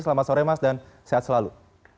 selamat sore mas dan sehat selalu